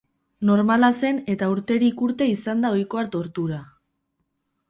Normala zen, eta urterik urte izan da ohikoa tortura.